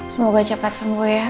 semoga cepat sembuh ya